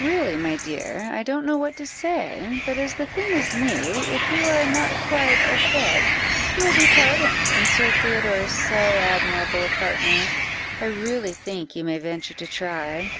"Really, my dear, I don't know what to say; but as the thing is new, if you are not quite au fait, you will be pardoned, and Sir Theodore is so admirable a partner, I really think you may venture to try."